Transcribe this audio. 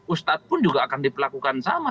ustadz pun juga akan diperlakukan sama